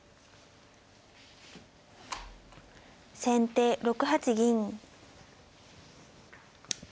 先手６八銀。